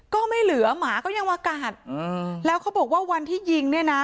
ก็ไม่เหลือหมาก็ยังมากัดอืมแล้วเขาบอกว่าวันที่ยิงเนี่ยนะ